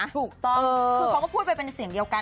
ถูกต้องคือเขาก็พูดไปเป็นเสียงเดียวกัน